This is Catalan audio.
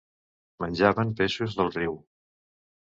Menjaven peixos del riu.